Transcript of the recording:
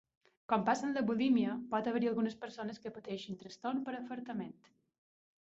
Com passa amb la bulímia, pot haver-hi algunes persones que pateixin trastorn per afartament.